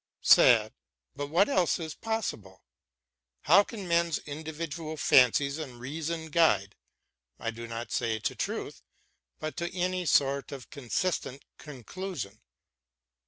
Sad, but what else is possible ? How can men's individual fancies and reason guide, I do not say to truth, but to any sort of consistent conclusion